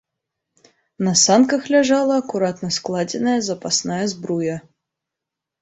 На санках ляжала акуратна складзеная запасная збруя.